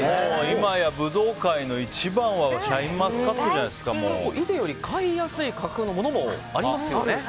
いまやブドウ界の１番はシャインマスカットじゃ以前より買いやすい価格のものもありますよね。